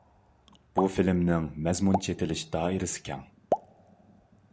بۇ فىلىمنىڭ مەزمۇن چېتىلىش دائىرىسى كەڭ.